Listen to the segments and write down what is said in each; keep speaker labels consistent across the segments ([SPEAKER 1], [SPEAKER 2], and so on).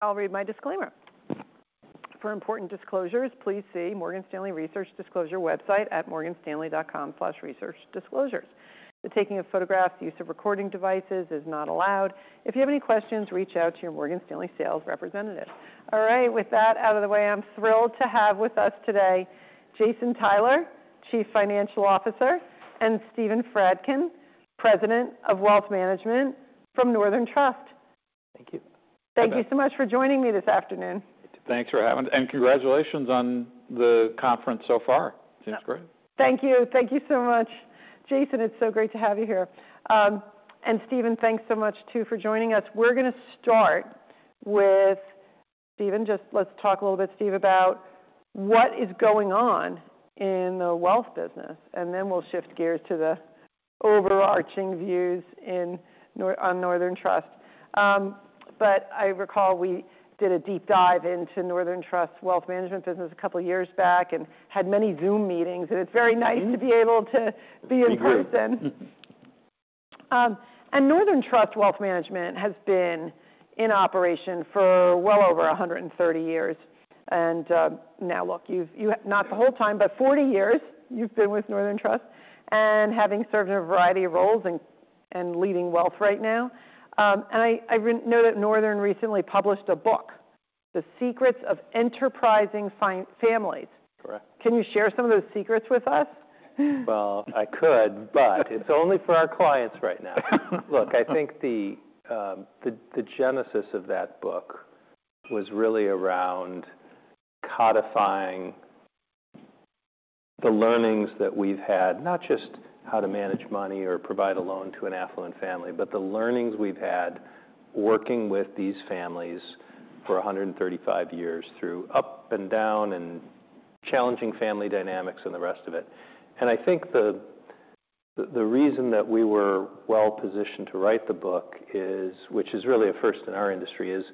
[SPEAKER 1] I'll read my disclaimer. For important disclosures, please see Morgan Stanley Research Disclosure website at morganstanley.com/researchdisclosures. The taking of photographs, the use of recording devices is not allowed. If you have any questions, reach out to your Morgan Stanley sales representative. All right, with that out of the way, I'm thrilled to have with us today Jason Tyler, Chief Financial Officer, and Steven Fradkin, President of Wealth Management from Northern Trust.
[SPEAKER 2] Thank you.
[SPEAKER 1] Thank you so much for joining me this afternoon.
[SPEAKER 3] Thanks for having me, and congratulations on the conference so far. Seems great.
[SPEAKER 1] Thank you. Thank you so much, Jason. It's so great to have you here. And Steven, thanks so much, too, for joining us. We're gonna start with Steven. Just let's talk a little bit, Steve, about what is going on in the wealth business, and then we'll shift gears to the overarching views on Northern Trust. But I recall we did a deep dive into Northern Trust's wealth management business a couple years back and had many Zoom meetings, and it's very nice-
[SPEAKER 2] Mm-hmm...
[SPEAKER 1] to be able to be in person.
[SPEAKER 2] Agreed.
[SPEAKER 1] And Northern Trust Wealth Management has been in operation for well over 130 years, and now look, you have not the whole time, but 40 years you've been with Northern Trust and having served in a variety of roles and leading wealth right now. And I know that Northern recently published a book, The Secrets of Enterprising Families.
[SPEAKER 2] Correct.
[SPEAKER 1] Can you share some of those secrets with us?
[SPEAKER 2] Well, but it's only for our clients right now. Look, I think the genesis of that book was really around codifying the learnings that we've had, not just how to manage money or provide a loan to an affluent family, but the learnings we've had working with these families for 135 years through up and down and challenging family dynamics and the rest of it. And I think the reason that we were well-positioned to write the book, which is really a first in our industry, is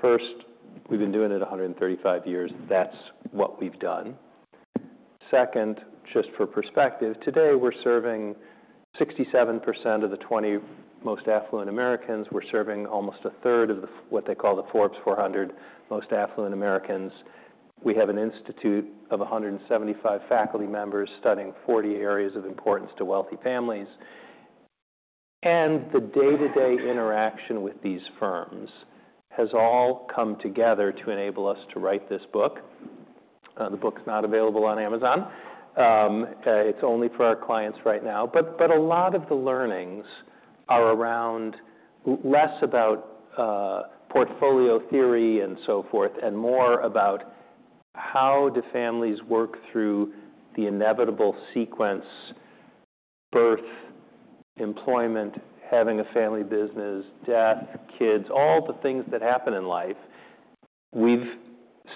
[SPEAKER 2] first, we've been doing it 135 years. That's what we've done. Second, just for perspective, today we're serving 67% of the 20 most affluent Americans. We're serving almost a third of what they call the Forbes 400 most affluent Americans. We have an institute of 175 faculty members studying 40 areas of importance to wealthy families. The day-to-day interaction with these firms has all come together to enable us to write this book. The book is not available on Amazon. It's only for our clients right now, but a lot of the learnings are around less about portfolio theory and so forth, and more about how do families work through the inevitable sequence, birth, employment, having a family business, death, kids, all the things that happen in life. We've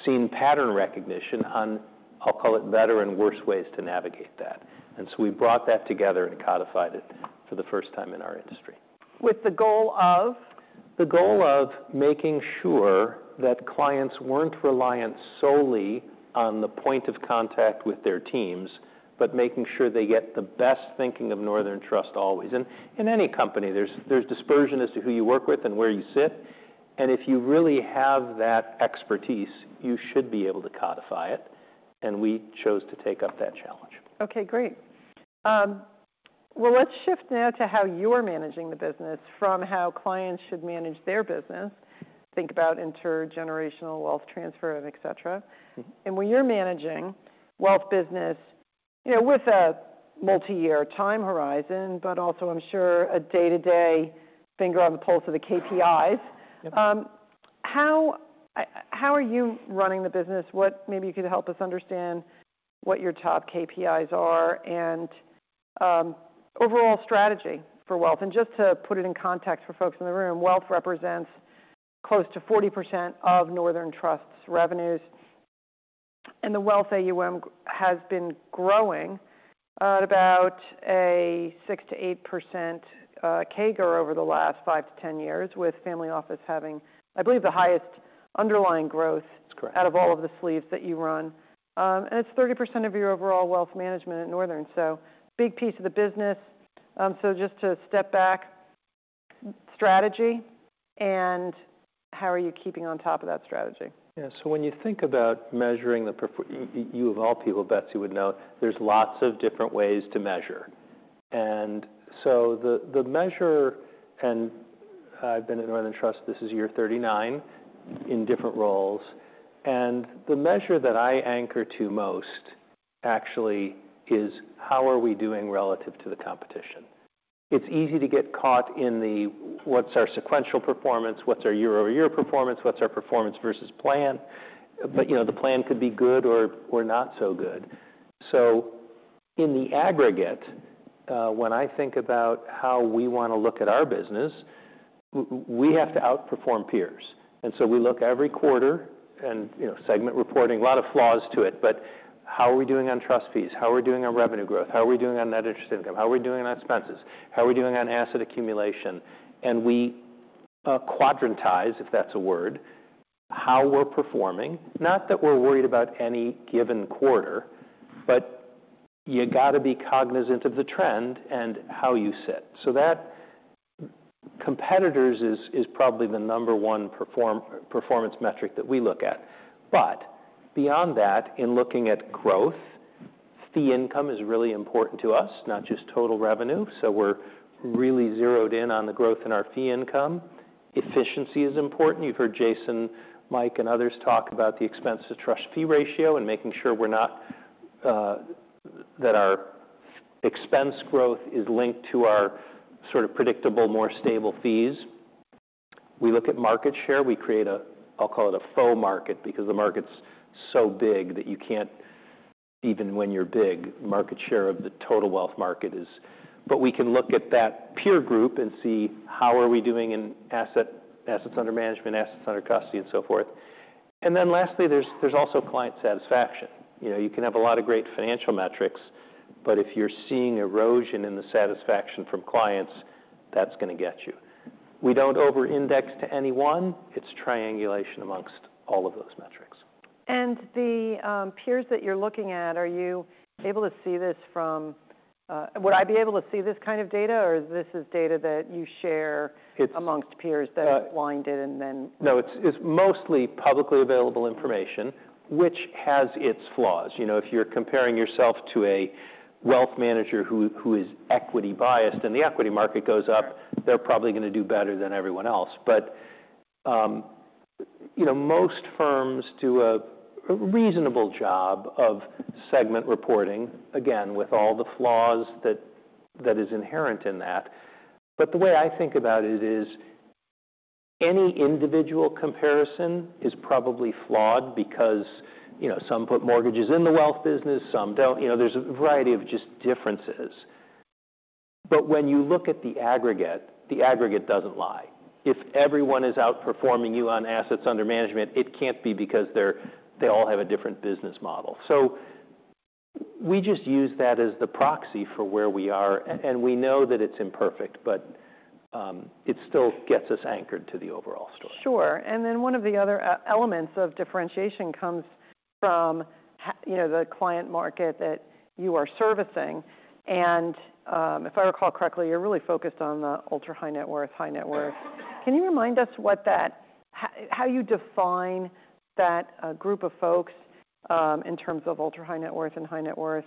[SPEAKER 2] seen pattern recognition on, I'll call it, better and worse ways to navigate that, and so we brought that together and codified it for the first time in our industry.
[SPEAKER 1] With the goal of?
[SPEAKER 2] The goal of making sure that clients weren't reliant solely on the point of contact with their teams, but making sure they get the best thinking of Northern Trust always. In any company, there's dispersion as to who you work with and where you sit, and if you really have that expertise, you should be able to codify it, and we chose to take up that challenge.
[SPEAKER 1] Okay, great. Well, let's shift now to how you're managing the business from how clients should manage their business. Think about intergenerational wealth transfer, et cetera.
[SPEAKER 2] Mm-hmm.
[SPEAKER 1] When you're managing wealth business, you know, with a multi-year time horizon, but also, I'm sure, a day-to-day finger on the pulse of the KPIs-
[SPEAKER 2] Yep...
[SPEAKER 1] how are you running the business? What... Maybe you could help us understand what your top KPIs are and overall strategy for wealth. Just to put it in context for folks in the room, wealth represents close to 40% of Northern Trust's revenues, and the wealth AUM has been growing at about a 6%-8% CAGR over the last 5-10 years, with family office having, I believe, the highest underlying growth-
[SPEAKER 2] That's correct...
[SPEAKER 1] out of all of the sleeves that you run. It's 30% of your overall wealth management at Northern, so big piece of the business. Just to step back, strategy, and how are you keeping on top of that strategy?
[SPEAKER 2] Yeah, so when you think about measuring the performance, you of all people, Betsy, would know, there's lots of different ways to measure, and so the measure. And I've been at Northern Trust, this is year 39 in different roles, and the measure that I anchor to most actually is, how are we doing relative to the competition? It's easy to get caught in the, what's our sequential performance, what's our year-over-year performance, what's our performance versus plan? But, you know, the plan could be good or not so good. So in the aggregate, when I think about how we wanna look at our business, we have to outperform peers, and so we look every quarter. And, you know, segment reporting, a lot of flaws to it, but how are we doing on trust fees? How are we doing on revenue growth? How are we doing on net interest income? How are we doing on expenses? How are we doing on asset accumulation? And we quadrantize, if that's a word, how we're performing, not that we're worried about any given quarter, but you gotta be cognizant of the trend and how you sit. So that, competitors is probably the number one performance metric that we look at. But beyond that, in looking at growth, fee income is really important to us, not just total revenue, so we're really zeroed in on the growth in our fee income. Efficiency is important. You've heard Jason, Mike, and others talk about the expense to trust fee ratio and making sure we're not that our expense growth is linked to our sort of predictable, more stable fees. We look at market share. We create a, I'll call it a faux market, because the market's so big that you can't, even when you're big, market share of the total wealth market is... But we can look at that peer group and see how are we doing in asset- assets under management, assets under custody, and so forth. And then lastly, there's, there's also client satisfaction. You know, you can have a lot of great financial metrics, but if you're seeing erosion in the satisfaction from clients, that's gonna get you. We don't over-index to any one. It's triangulation amongst all of those metrics.
[SPEAKER 1] And the peers that you're looking at, are you able to see this from... Would I be able to see this kind of data, or is this data that you share-
[SPEAKER 2] It's-
[SPEAKER 1] among peers that are blinded and then?
[SPEAKER 2] No, it's mostly publicly available information, which has its flaws. You know, if you're comparing yourself to a wealth manager who is equity-biased, and the equity market goes up, they're probably gonna do better than everyone else. But, you know, most firms do a reasonable job of segment reporting, again, with all the flaws that is inherent in that. But the way I think about it is, any individual comparison is probably flawed because, you know, some put mortgages in the wealth business, some don't. You know, there's a variety of just differences. But when you look at the aggregate, the aggregate doesn't lie. If everyone is outperforming you on assets under management, it can't be because they all have a different business model. So we just use that as the proxy for where we are, and we know that it's imperfect, but it still gets us anchored to the overall story.
[SPEAKER 1] Sure. And then one of the other elements of differentiation comes from you know, the client market that you are servicing. And, if I recall correctly, you're really focused on the ultra high net worth, high net worth. Can you remind us what that... how you define that group of folks in terms of ultra high net worth and high net worth,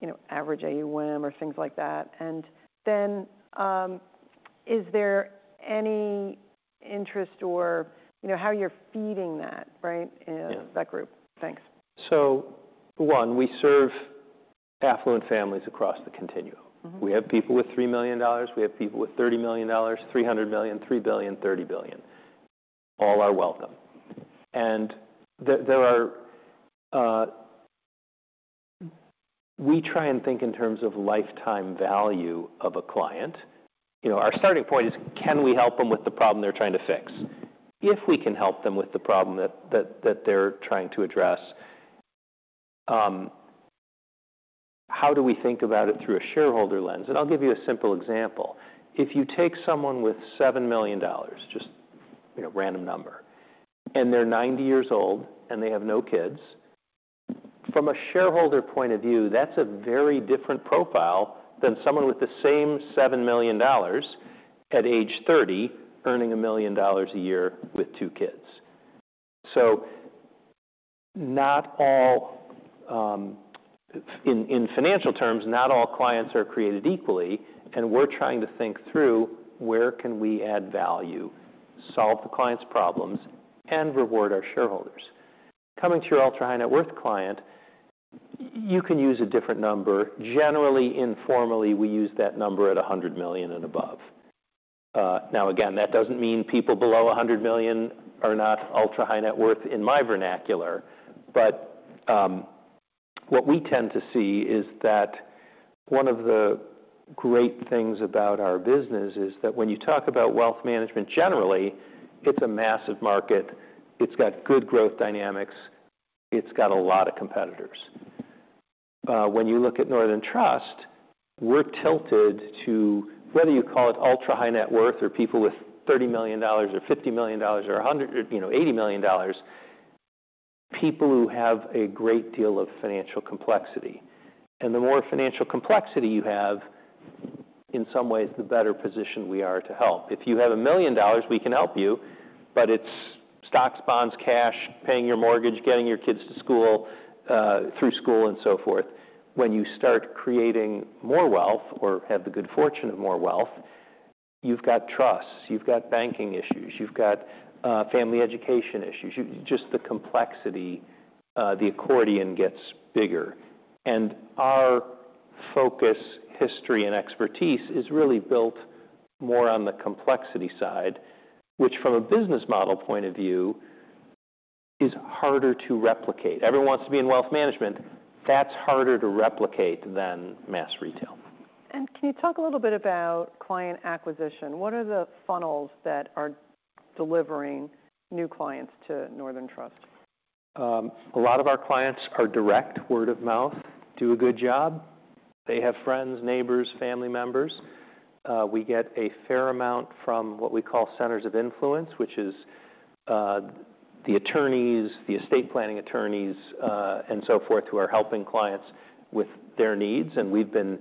[SPEAKER 1] you know, average AUM or things like that? And then, is there any interest or, you know, how you're feeding that, right?
[SPEAKER 2] Yeah.
[SPEAKER 1] - that group? Thanks.
[SPEAKER 2] So, one, we serve affluent families across the continuum.
[SPEAKER 1] Mm-hmm.
[SPEAKER 2] We have people with $3 million, we have people with $30 million, $300 million, $3 billion, $30 billion. All are welcome. We try and think in terms of lifetime value of a client. You know, our starting point is: Can we help them with the problem they're trying to fix? If we can help them with the problem that they're trying to address, how do we think about it through a shareholder lens? And I'll give you a simple example. If you take someone with $7 million, just, you know, random number, and they're 90 years old, and they have no kids, from a shareholder point of view, that's a very different profile than someone with the same $7 million at age 30, earning $1 million a year with two kids. So not all, in financial terms, not all clients are created equally, and we're trying to think through, where can we add value, solve the client's problems, and reward our shareholders? Coming to your ultra high net worth client, you can use a different number. Generally, informally, we use that number at $100 million and above. Now, again, that doesn't mean people below $100 million are not ultra high net worth in my vernacular, but, what we tend to see is that one of the great things about our business is that when you talk about wealth management, generally, it's a massive market. It's got good growth dynamics. It's got a lot of competitors. When you look at Northern Trust, we're tilted to, whether you call it ultra high net worth, or people with $30 million, or $50 million, or 100, you know, $80 million, people who have a great deal of financial complexity. And the more financial complexity you have, in some ways, the better positioned we are to help. If you have $1 million, we can help you, but it's stocks, bonds, cash, paying your mortgage, getting your kids to school, through school, and so forth. When you start creating more wealth or have the good fortune of more wealth, you've got trusts, you've got banking issues, you've got, family education issues. Just the complexity, the accordion gets bigger. Our focus, history, and expertise is really built more on the complexity side, which, from a business model point of view, is harder to replicate. Everyone wants to be in wealth management. That's harder to replicate than mass retail.
[SPEAKER 1] Can you talk a little bit about client acquisition? What are the funnels that are delivering new clients to Northern Trust?...
[SPEAKER 2] a lot of our clients are direct word-of-mouth, do a good job. They have friends, neighbors, family members. We get a fair amount from what we call centers of influence, which is, the attorneys, the estate planning attorneys, and so forth, who are helping clients with their needs. And we've been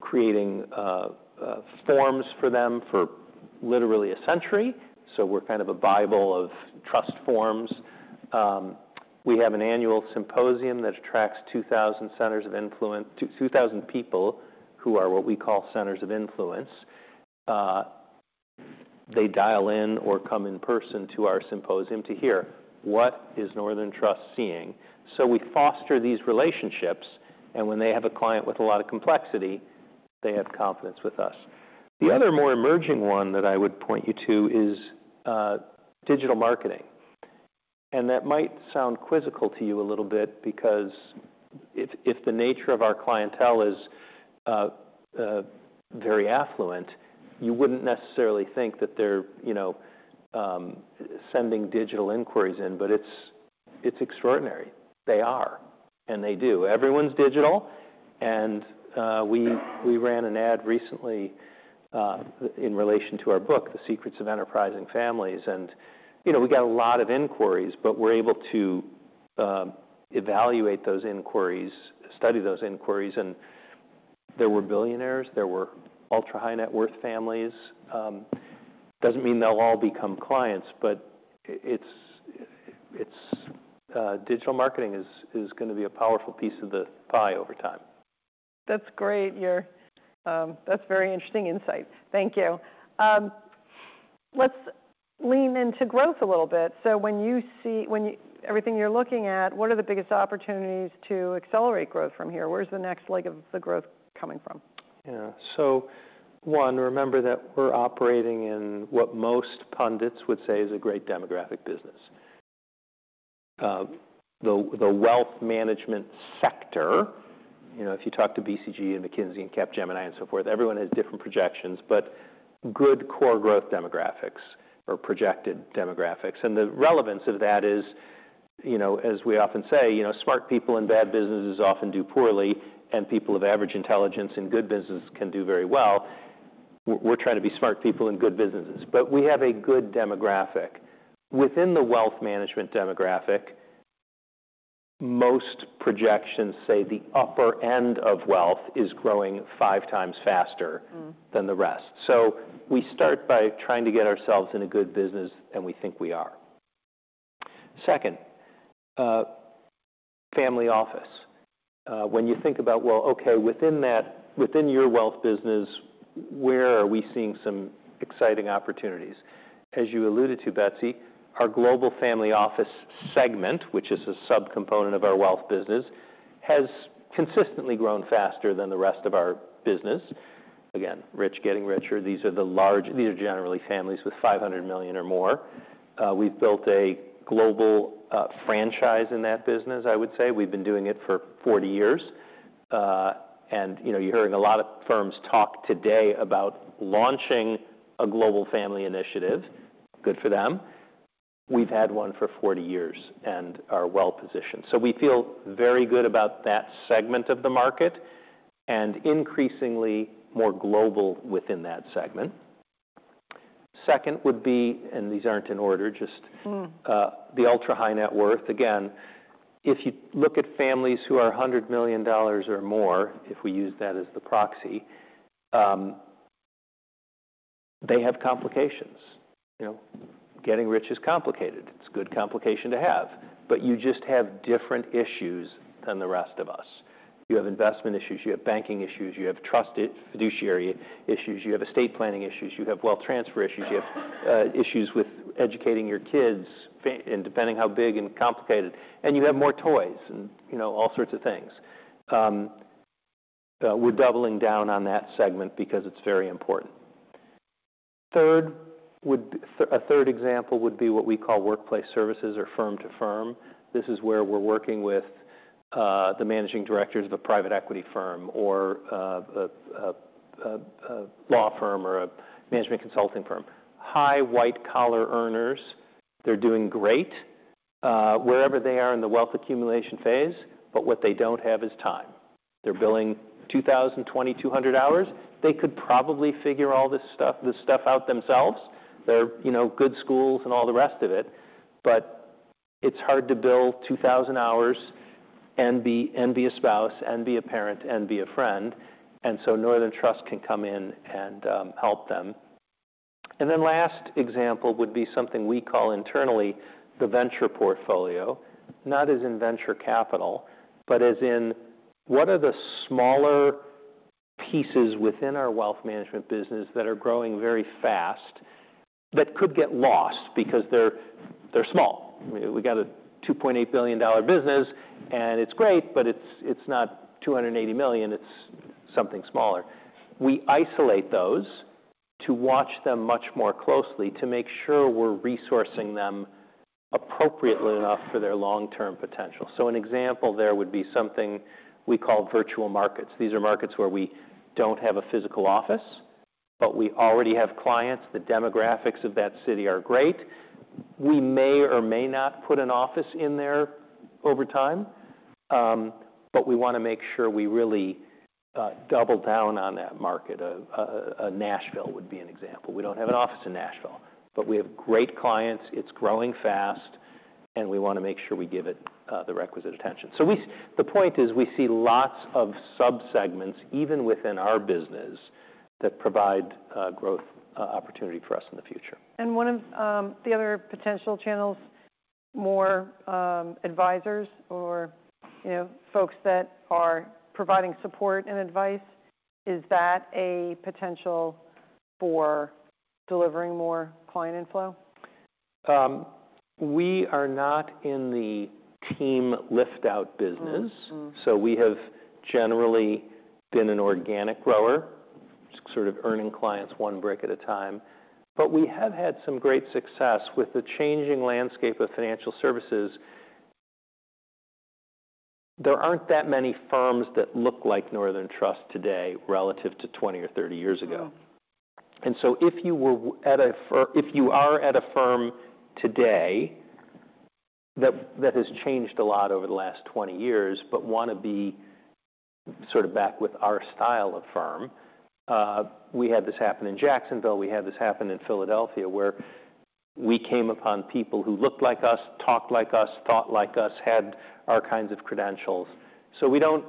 [SPEAKER 2] creating forms for them for literally a century. So we're kind of a bible of trust forms. We have an annual symposium that attracts 2,000 centers of influence—2,000 people who are what we call centers of influence. They dial in or come in person to our symposium to hear what is Northern Trust seeing. So we foster these relationships, and when they have a client with a lot of complexity, they have confidence with us. The other more emerging one that I would point you to is digital marketing, and that might sound quizzical to you a little bit because if the nature of our clientele is very affluent, you wouldn't necessarily think that they're, you know, sending digital inquiries in, but it's extraordinary. They are, and they do. Everyone's digital, and we ran an ad recently in relation to our book, The Secrets of Enterprising Families, and, you know, we got a lot of inquiries, but we're able to evaluate those inquiries, study those inquiries, and there were billionaires, there were ultra high net worth families. Doesn't mean they'll all become clients, but it's digital marketing is gonna be a powerful piece of the pie over time.
[SPEAKER 1] That's great. You're... that's very interesting insight. Thank you. Let's lean into growth a little bit. So when everything you're looking at, what are the biggest opportunities to accelerate growth from here? Where's the next leg of the growth coming from?
[SPEAKER 2] Yeah. So, one, remember that we're operating in what most pundits would say is a great demographic business. The wealth management sector, you know, if you talk to BCG and McKinsey and Capgemini and so forth, everyone has different projections, but good core growth demographics or projected demographics. And the relevance of that is, you know, as we often say, you know, smart people in bad businesses often do poorly, and people of average intelligence in good business can do very well. We're trying to be smart people in good businesses, but we have a good demographic. Within the wealth management demographic, most projections say the upper end of wealth is growing five times faster-
[SPEAKER 1] Mm.
[SPEAKER 2] -than the rest. So we start by trying to get ourselves in a good business, and we think we are. Second, family office. When you think about, well, okay, within your wealth business, where are we seeing some exciting opportunities? As you alluded to, Betsy, our Global Family Office segment, which is a subcomponent of our wealth business, has consistently grown faster than the rest of our business. Again, rich getting richer. These are generally families with $500 million or more. We've built a global franchise in that business, I would say. We've been doing it for 40 years. And, you know, you're hearing a lot of firms talk today about launching a global family initiative. Good for them. We've had one for 40 years and are well-positioned. So we feel very good about that segment of the market and increasingly more global within that segment. Second would be, and these aren't in order, just-
[SPEAKER 1] Mm...
[SPEAKER 2] the ultra high net worth. Again, if you look at families who are $100 million or more, if we use that as the proxy, they have complications. You know, getting rich is complicated. It's a good complication to have, but you just have different issues than the rest of us. You have investment issues, you have banking issues, you have trusted fiduciary issues, you have estate planning issues, you have wealth transfer issues, you have issues with educating your kids, and depending how big and complicated, and you have more toys and, you know, all sorts of things. We're doubling down on that segment because it's very important. Third would be... a third example would be what we call workplace services or firm-to-firm. This is where we're working with the managing directors of a private equity firm or a law firm or a management consulting firm. High white-collar earners, they're doing great wherever they are in the wealth accumulation phase, but what they don't have is time. They're billing 2000, 2200 hours. They could probably figure all this stuff, this stuff out themselves. They're, you know, good schools and all the rest of it, but it's hard to bill 2000 hours and be a spouse, and be a parent, and be a friend, and so Northern Trust can come in and help them. And then last example would be something we call internally the venture portfolio. Not as in venture capital, but as in, what are the smaller pieces within our wealth management business that are growing very fast, that could get lost because they're small? We got a $2.8 billion business, and it's great, but it's not $280 million, it's something smaller. We isolate those to watch them much more closely, to make sure we're resourcing them appropriately enough for their long-term potential. So an example there would be something we call virtual markets. These are markets where we don't have a physical office, but we already have clients. The demographics of that city are great. We may or may not put an office in there over time, but we want to make sure we really double down on that market. Nashville would be an example. We don't have an office in Nashville, but we have great clients, it's growing fast, and we want to make sure we give it the requisite attention. So the point is, we see lots of sub-segments, even within our business, that provide growth opportunity for us in the future.
[SPEAKER 1] One of the other potential channels, more advisors or, you know, folks that are providing support and advice, is that a potential for delivering more client inflow?
[SPEAKER 2] We are not in the team lift-out business.
[SPEAKER 1] Mm-hmm.
[SPEAKER 2] We have generally been an organic grower, sort of earning clients one brick at a time. We have had some great success with the changing landscape of financial services. There aren't that many firms that look like Northern Trust today relative to 20 or 30 years ago.
[SPEAKER 1] Mm-hmm.
[SPEAKER 2] And so if you were at a firm—if you are at a firm today that, that has changed a lot over the last 20 years, but wanna be sort of back with our style of firm, we had this happen in Jacksonville, we had this happen in Philadelphia, where we came upon people who looked like us, talked like us, thought like us, had our kinds of credentials. So we don't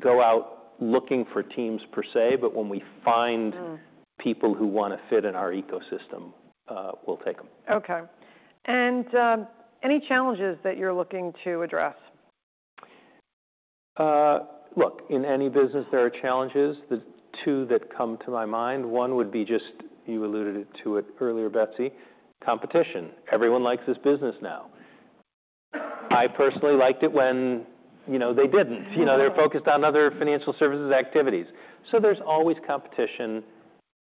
[SPEAKER 2] go out looking for teams per se, but when we find-
[SPEAKER 1] Mm.
[SPEAKER 2] -people who wanna fit in our ecosystem, we'll take them.
[SPEAKER 1] Okay. Any challenges that you're looking to address?
[SPEAKER 2] Look, in any business there are challenges. The two that come to my mind, one would be just... You alluded it, to it earlier, Betsy, competition. Everyone likes this business now. I personally liked it when, you know, they didn't.
[SPEAKER 1] Mm.
[SPEAKER 2] You know, they were focused on other financial services activities. So there's always competition,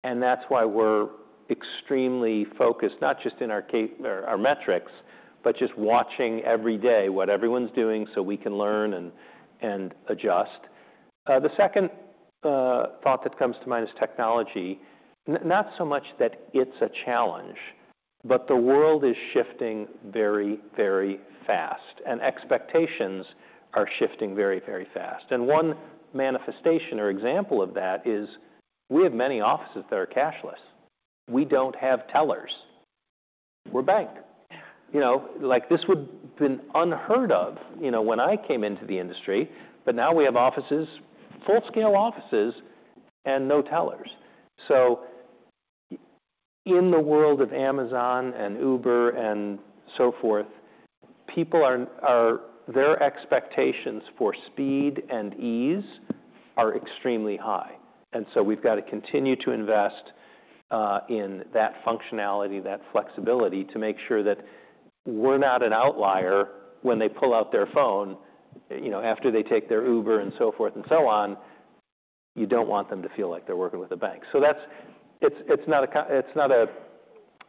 [SPEAKER 2] and that's why we're extremely focused, not just in our capabilities or our metrics, but just watching every day what everyone's doing, so we can learn and adjust. The second thought that comes to mind is technology. Not so much that it's a challenge, but the world is shifting very, very fast, and expectations are shifting very, very fast. One manifestation or example of that is we have many offices that are cashless. We don't have tellers. We're a bank. You know, like, this would've been unheard of, you know, when I came into the industry, but now we have offices, full-scale offices, and no tellers. So in the world of Amazon and Uber and so forth, people are—their expectations for speed and ease are extremely high, and so we've got to continue to invest in that functionality, that flexibility, to make sure that we're not an outlier when they pull out their phone, you know, after they take their Uber and so forth and so on. You don't want them to feel like they're working with a bank. So that's—it's not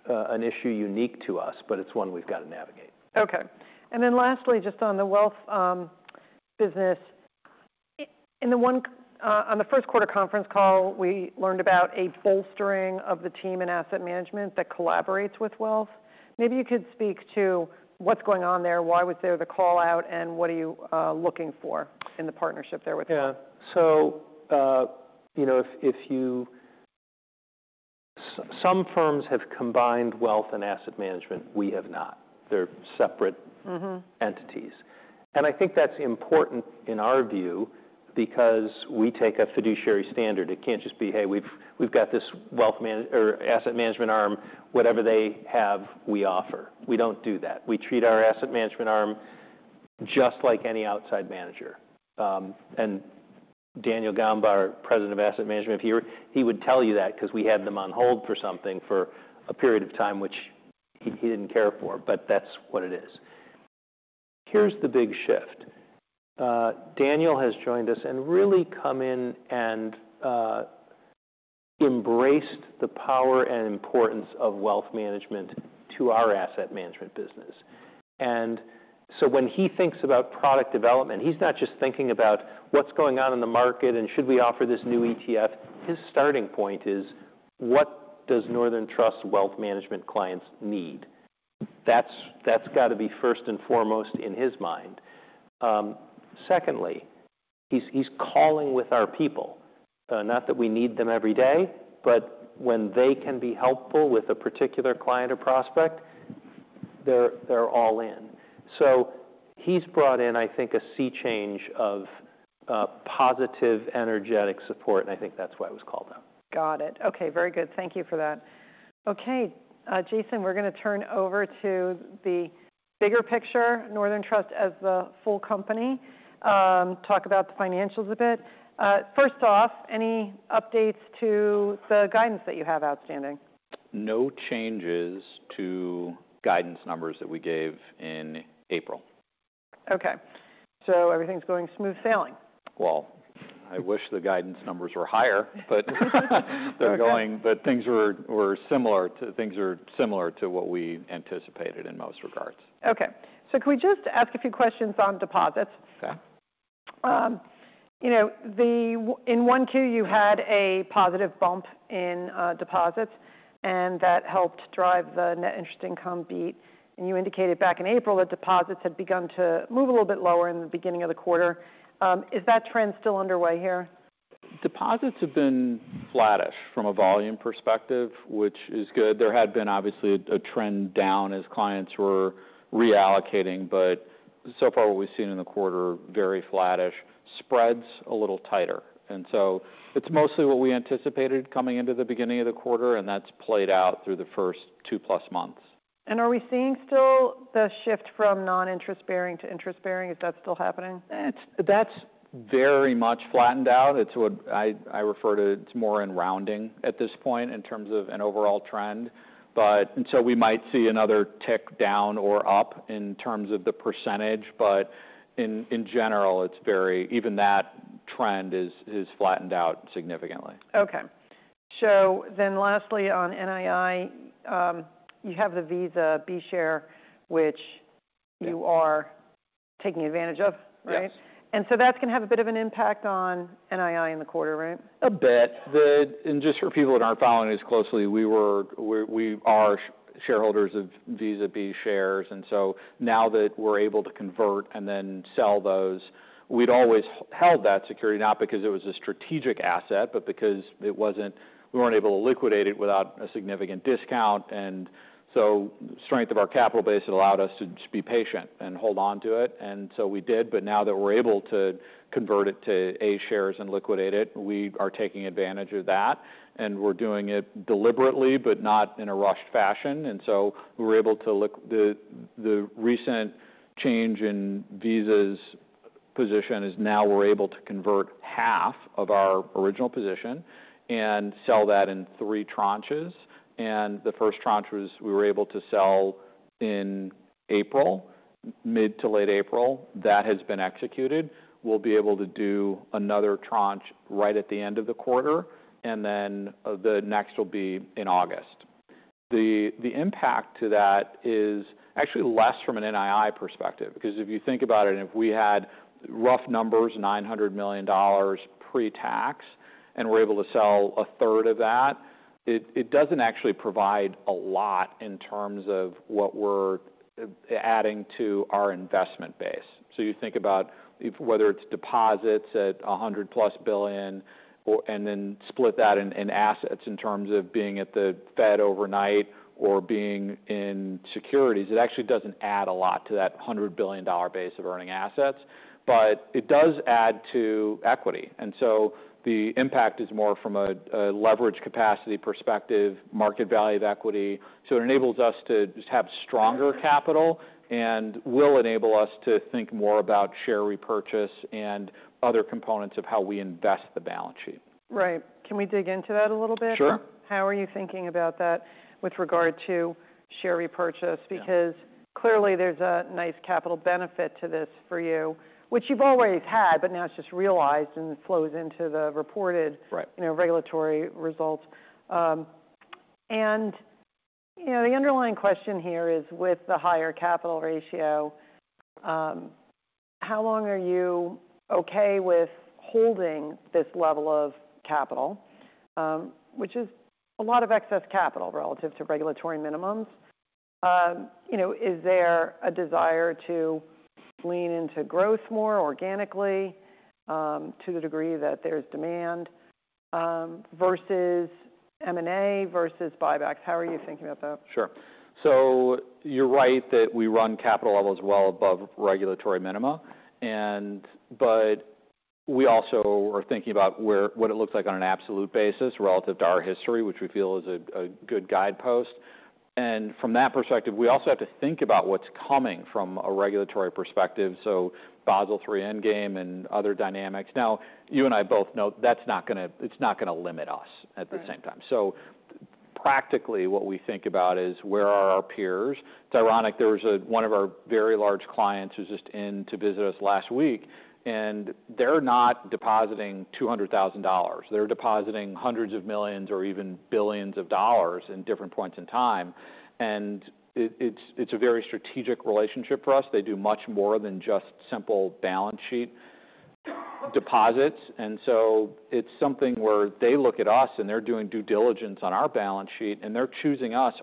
[SPEAKER 2] an issue unique to us, but it's one we've got to navigate.
[SPEAKER 1] Okay. And then lastly, just on the wealth business, on the first quarter conference call, we learned about a bolstering of the team in asset management that collaborates with wealth. Maybe you could speak to what's going on there, why was there the call-out, and what are you looking for in the partnership there with them?
[SPEAKER 2] Yeah. So, you know, if, if you... Some firms have combined wealth and asset management. We have not. They're separate.
[SPEAKER 1] Mm-hmm
[SPEAKER 2] -entities. I think that's important in our view because we take a fiduciary standard. It can't just be, "Hey, we've got this wealth management or asset management arm. Whatever they have, we offer." We don't do that. We treat our asset management arm just like any outside manager. And Daniel Gamba, our President of Asset Management, if he were here he would tell you that, 'cause we had him on hold for something for a period of time, which he didn't care for, but that's what it is. Here's the big shift. Daniel has joined us and really come in and embraced the power and importance of wealth management to our asset management business. And so when he thinks about product development, he's not just thinking about what's going on in the market, and should we offer this new ETF? His starting point is, what does Northern Trust Wealth anagement clients need? That's, that's got to be first and foremost in his mind. Secondly, he's, he's calling with our people, not that we need them every day, but when they can be helpful with a particular client or prospect, they're, they're all in. So he's brought in, I think, a sea change of, positive, energetic support, and I think that's why it was called out.
[SPEAKER 1] Got it. Okay, very good. Thank you for that. Okay, Jason, we're gonna turn over to the bigger picture, Northern Trust as the full company, talk about the financials a bit. First off, any updates to the guidance that you have outstanding?
[SPEAKER 3] No changes to guidance numbers that we gave in April.
[SPEAKER 1] Okay, so everything's going smooth sailing?
[SPEAKER 3] Well, I wish the guidance numbers were higher, but-
[SPEAKER 1] Okay.
[SPEAKER 3] Things are similar to what we anticipated in most regards.
[SPEAKER 1] Okay. Can we just ask a few questions on deposits?
[SPEAKER 3] Okay. ...
[SPEAKER 1] You know, the win in 1Q, you had a positive bump in deposits, and that helped drive the net interest income beat. And you indicated back in April that deposits had begun to move a little bit lower in the beginning of the quarter. Is that trend still underway here?
[SPEAKER 3] Deposits have been flattish from a volume perspective, which is good. There had been obviously a trend down as clients were reallocating, but so far what we've seen in the quarter, very flattish, spreads a little tighter. And so it's mostly what we anticipated coming into the beginning of the quarter, and that's played out through the first two-plus months.
[SPEAKER 1] Are we seeing still the shift from non-interest bearing to interest bearing? Is that still happening?
[SPEAKER 3] That's very much flattened out. It's what I refer to, it's more in rounding at this point, in terms of an overall trend. And so we might see another tick down or up in terms of the percentage, but in general, it's very even that trend is flattened out significantly.
[SPEAKER 1] Okay. So then lastly, on NII, you have the Visa B share, which-
[SPEAKER 3] Yes...
[SPEAKER 1] you are taking advantage of, right?
[SPEAKER 3] Yes.
[SPEAKER 1] And so that's gonna have a bit of an impact on NII in the quarter, right?
[SPEAKER 3] A bit. And just for people that aren't following this closely, we were shareholders of Visa B shares, and so now that we're able to convert and then sell those, we'd always held that security, not because it was a strategic asset, but because we weren't able to liquidate it without a significant discount. And so the strength of our capital base, it allowed us to just be patient and hold on to it, and so we did. But now that we're able to convert it to A shares and liquidate it, we are taking advantage of that, and we're doing it deliberately, but not in a rushed fashion. And so the recent change in Visa's position is, now we're able to convert half of our original position and sell that in three tranches. The first tranche was we were able to sell in April, mid to late April. That has been executed. We'll be able to do another tranche right at the end of the quarter, and then the next will be in August. The impact to that is actually less from an NII perspective, because if you think about it, and if we had rough numbers, $900 million pre-tax, and we're able to sell a third of that, it doesn't actually provide a lot in terms of what we're adding to our investment base. So you think about if whether it's deposits at $100+ billion or and then split that in assets, in terms of being at the Fed overnight or being in securities, it actually doesn't add a lot to that $100 billion base of earning assets. But it does add to equity, and so the impact is more from a leverage capacity perspective, market value of equity. So it enables us to just have stronger capital and will enable us to think more about share repurchase and other components of how we invest the balance sheet.
[SPEAKER 1] Right. Can we dig into that a little bit?
[SPEAKER 3] Sure.
[SPEAKER 1] How are you thinking about that with regard to share repurchase?
[SPEAKER 3] Yeah.
[SPEAKER 1] Because clearly there's a nice capital benefit to this for you, which you've always had, but now it's just realized and flows into the reported-
[SPEAKER 3] Right...
[SPEAKER 1] you know, regulatory results. You know, the underlying question here is, with the higher capital ratio, how long are you okay with holding this level of capital? You know, is there a desire to lean into growth more organically, to the degree that there's demand, versus M&A, versus buybacks? How are you thinking about that?
[SPEAKER 3] Sure. So you're right that we run capital levels well above regulatory minima. But we also are thinking about what it looks like on an absolute basis relative to our history, which we feel is a good guidepost. And from that perspective, we also have to think about what's coming from a regulatory perspective, so Basel III Endgame and other dynamics. Now, you and I both know that's not gonna-- it's not gonna limit us-
[SPEAKER 1] Right...
[SPEAKER 3] at the same time. So practically, what we think about is, where are our peers? It's ironic, there was one of our very large clients who's just in to visit us last week, and they're not depositing $200,000. They're depositing hundreds of millions or even billions of dollars in different points in time, and it's a very strategic relationship for us. They do much more than just simple balance sheet deposits. And so it's something where they look at us, and they're doing due diligence on our balance sheet, and they're choosing us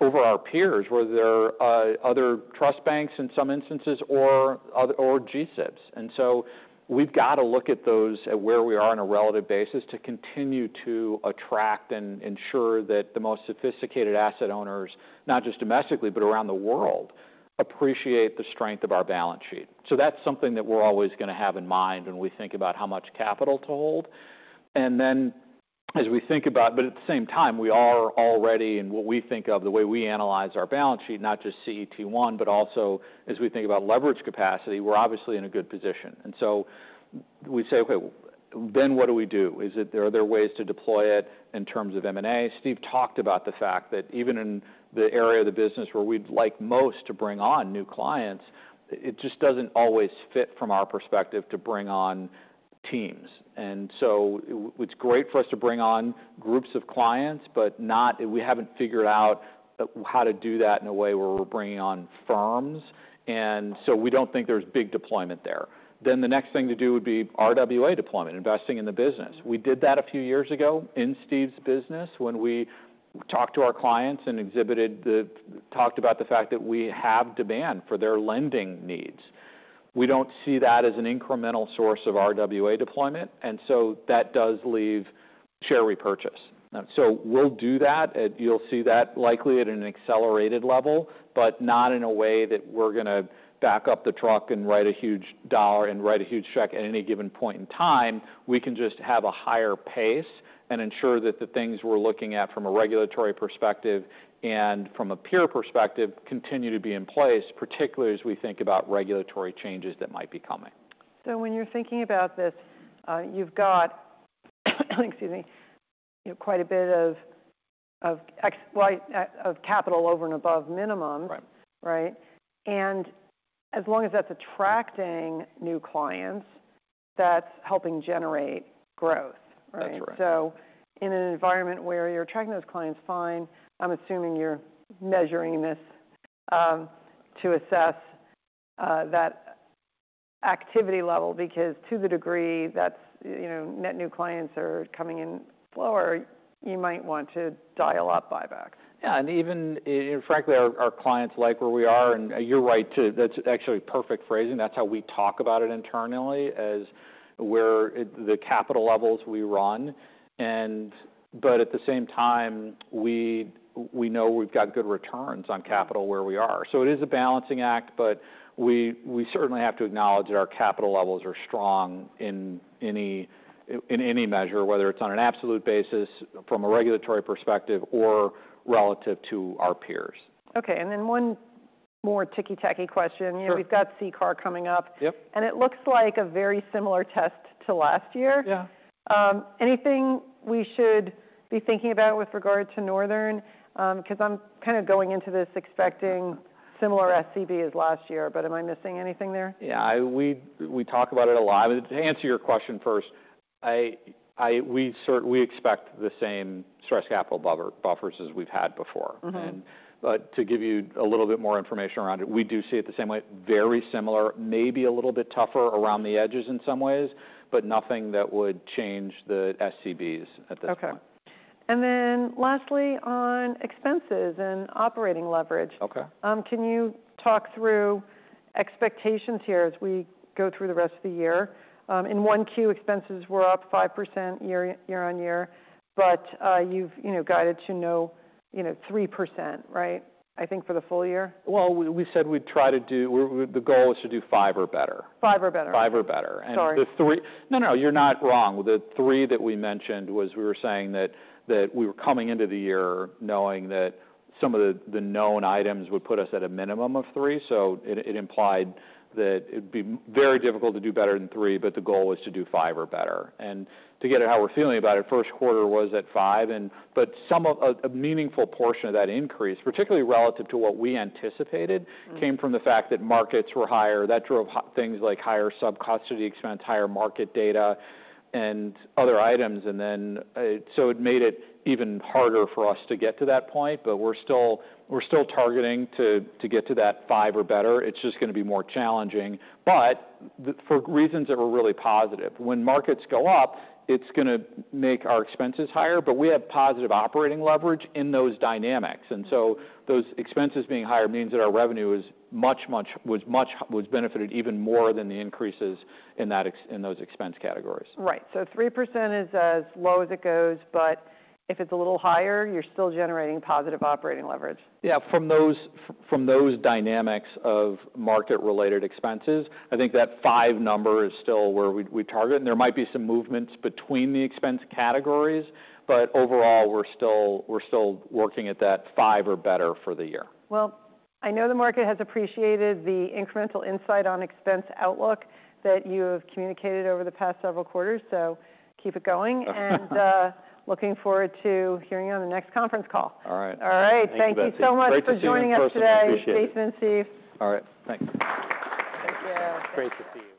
[SPEAKER 3] over our peers, whether they're other trust banks in some instances or GSIBs. And so we've got to look at those at where we are on a relative basis to continue to attract and ensure that the most sophisticated asset owners, not just domestically, but around the world, appreciate the strength of our balance sheet. So that's something that we're always gonna have in mind when we think about how much capital to hold. And then as we think about, but at the same time, we are already, and what we think of, the way we analyze our balance sheet, not just CET1, but also as we think about leverage capacity, we're obviously in a good position. And so we say, "Okay, then what do we do? Is it? There are other ways to deploy it in terms of M&A. Steve talked about the fact that even in the area of the business where we'd like most to bring on new clients, it just doesn't always fit from our perspective to bring on teams. And so it's great for us to bring on groups of clients, but not we haven't figured out how to do that in a way where we're bringing on firms, and so we don't think there's big deployment there. Then the next thing to do would be RWA deployment, investing in the business. We did that a few years ago in Steve's business when we talked to our clients and talked about the fact that we have demand for their lending needs. We don't see that as an incremental source of RWA deployment, and so that does leave share repurchase. So we'll do that, and you'll see that likely at an accelerated level, but not in a way that we're gonna back up the truck and write a huge dollar and write a huge check at any given point in time. We can just have a higher pace and ensure that the things we're looking at from a regulatory perspective and from a peer perspective continue to be in place, particularly as we think about regulatory changes that might be coming.
[SPEAKER 1] So when you're thinking about this, you've got, excuse me, you know, quite a bit of excess capital over and above minimum.
[SPEAKER 3] Right.
[SPEAKER 1] Right? And as long as that's attracting new clients, that's helping generate growth, right?
[SPEAKER 3] That's right.
[SPEAKER 1] So in an environment where you're attracting those clients, fine, I'm assuming you're measuring this to assess that activity level, because to the degree that, you know, net new clients are coming in slower, you might want to dial up buybacks.
[SPEAKER 3] Yeah, and even frankly, our clients like where we are, and you're right, too. That's actually perfect phrasing. That's how we talk about it internally, as where the capital levels we run. But at the same time, we know we've got good returns on capital where we are. So it is a balancing act, but we certainly have to acknowledge that our capital levels are strong in any measure, whether it's on an absolute basis from a regulatory perspective or relative to our peers.
[SPEAKER 1] Okay, and then one more ticky-tacky question.
[SPEAKER 3] Sure.
[SPEAKER 1] You know, we've got CCAR coming up-
[SPEAKER 3] Yep.
[SPEAKER 1] And it looks like a very similar test to last year.
[SPEAKER 3] Yeah.
[SPEAKER 1] Anything we should be thinking about with regard to Northern? Because I'm kind of going into this expecting similar SCB as last year, but am I missing anything there?
[SPEAKER 3] Yeah, we talk about it a lot. To answer your question first, we expect the same Stress Capital Buffers as we've had before.
[SPEAKER 1] Mm-hmm.
[SPEAKER 3] But to give you a little bit more information around it, we do see it the same way. Very similar, maybe a little bit tougher around the edges in some ways, but nothing that would change the SCBs at this point.
[SPEAKER 1] Okay. And then lastly, on expenses and operating leverage.
[SPEAKER 3] Okay.
[SPEAKER 1] Can you talk through expectations here as we go through the rest of the year? In 1Q, expenses were up 5% year-over-year, but you've, you know, guided to no, you know, 3%, right? I think for the full year.
[SPEAKER 3] Well, we said we'd try to do... the goal is to do five or better.
[SPEAKER 1] 5 or better.
[SPEAKER 3] Five or better.
[SPEAKER 1] Sorry.
[SPEAKER 3] And the three—no, no, you're not wrong. The three that we mentioned was, we were saying that that we were coming into the year knowing that some of the known items would put us at a minimum of three. So it implied that it'd be very difficult to do better than three, but the goal was to do five or better. And to get at how we're feeling about it, first quarter was at five, but some of a meaningful portion of that increase, particularly relative to what we anticipated-
[SPEAKER 1] Mm.
[SPEAKER 3] came from the fact that markets were higher. That drove things like higher subcustody expense, higher market data, and other items, and then, so it made it even harder for us to get to that point. But we're still, we're still targeting to get to that five or better. It's just gonna be more challenging, but for reasons that were really positive. When markets go up, it's gonna make our expenses higher, but we have positive operating leverage in those dynamics.
[SPEAKER 1] Mm.
[SPEAKER 3] So those expenses being higher means that our revenue is much, much benefited even more than the increases in those expense categories.
[SPEAKER 1] Right. So 3% is as low as it goes, but if it's a little higher, you're still generating positive operating leverage.
[SPEAKER 3] Yeah, from those dynamics of market-related expenses, I think that five number is still where we target. And there might be some movements between the expense categories, but overall, we're still working at that five or better for the year.
[SPEAKER 1] Well, I know the market has appreciated the incremental insight on expense outlook that you have communicated over the past several quarters, so keep it going. And, looking forward to hearing you on the next conference call.
[SPEAKER 3] All right.
[SPEAKER 1] All right.
[SPEAKER 3] Thank you, Betsy.
[SPEAKER 1] Thank you so much for joining us today.
[SPEAKER 3] Great to see you in person. Appreciate it.
[SPEAKER 1] Jason and Steve. All right, thank you. Thank you.
[SPEAKER 3] Great to see you.